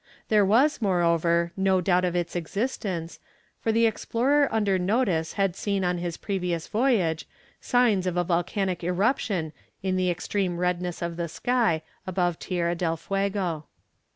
There was, moreover, no doubt of its existence, for the explorer under notice had seen on his previous voyage signs of a volcanic eruption in the extreme redness of the sky above Tierra del Fuego.